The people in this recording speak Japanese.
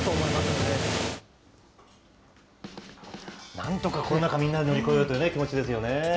なんとかコロナ禍、みんなで乗り越えようという気持ちですよね。